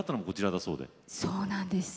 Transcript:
そうなんです。